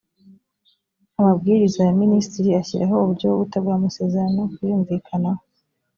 amabwiriza ya minisitiri ashyiraho uburyo bwo gutegura amasezerano kuyumvikanaho